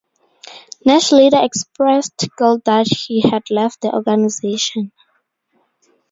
Nash later expressed guilt that he had left the organization.